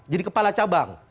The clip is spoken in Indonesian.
jadi kepala cabang